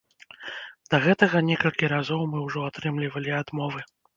Да гэтага некалькі разоў мы ўжо атрымлівалі адмовы.